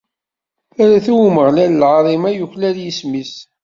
Rret i Umeɣlal lɛaḍima yuklal yisem-is.